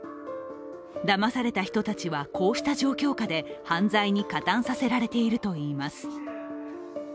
だまされた人たちは、こうした状況下で犯罪に加担させられているといいます。